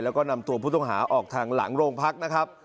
แล้วก็นำตัวผู้ต้องหาออกทางหลังโรงพักนะครับ